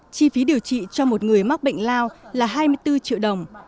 chi phí điều trị cho một người mắc bệnh lao là hai mươi bốn triệu đồng